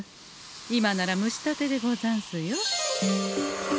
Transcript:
今なら蒸したてでござんすよ。